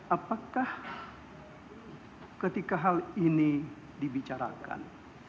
apakah ketika hal ini dibicarakan